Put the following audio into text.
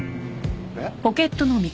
えっ？